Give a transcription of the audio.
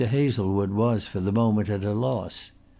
Hazlewood was for the moment at a loss.